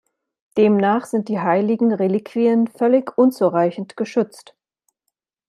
Demnach sind die heiligen Reliquien völlig unzureichend geschützt.